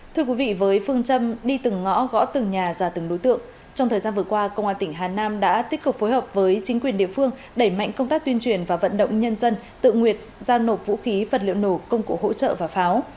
thưa quý vị với phương châm đi từng ngõ gõ từng nhà ra từng đối tượng trong thời gian vừa qua công an tỉnh hà nam đã tích cực phối hợp với chính quyền địa phương đẩy mạnh công tác tuyên truyền và vận động nhân dân tự nguyệt giao nộp vũ khí vật liệu nổ công cụ hỗ trợ và pháo